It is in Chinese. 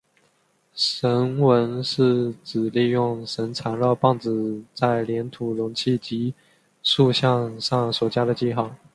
绳文是指利用绳缠绕棒子在黏土容器及塑像上所加上的记号。